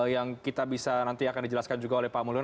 yang kita bisa nanti akan dijelaskan juga oleh pak mulyono